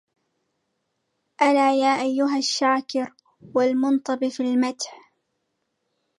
ألا يا أيها الشاكـر والمطنب في المدح